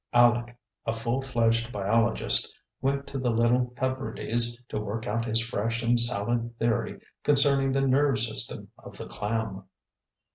Aleck, a full fledged biologist, went to the Little Hebrides to work out his fresh and salad theory concerning the nerve system of the clam.